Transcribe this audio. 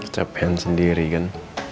capekan sendiri kan